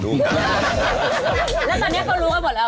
แล้วตอนนี้เขารู้กันหมดแล้ว